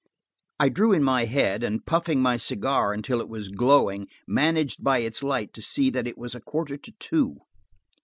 I drew in my head and, puffing my cigar until it was glowing, managed by its light to see that it was a quarter to two.